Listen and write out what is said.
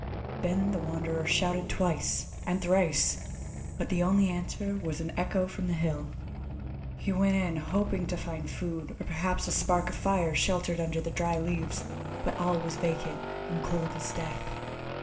Then the Wanderer shouted twice, and thrice, but the only answer was an echo from the hill. He went in, hoping to find food, or perhaps a spark of fire sheltered under the dry leaves. But all was vacant and cold as death.